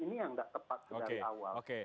ini yang tidak tepat dari awal